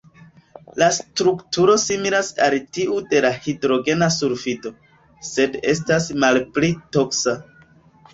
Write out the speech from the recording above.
La strukturo similas al tiu de la hidrogena sulfido, sed estas malpli toksa.